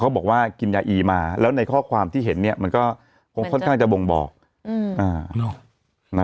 บอกว่ากินยาอีมาแล้วในข้อความที่เห็นเนี่ยมันก็คงค่อนข้างจะบ่งบอก